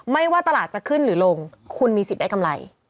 ว่าตลาดจะขึ้นหรือลงคุณมีสิทธิ์ได้กำไร